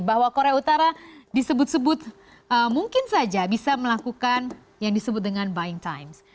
bahwa korea utara disebut sebut mungkin saja bisa melakukan yang disebut dengan buying times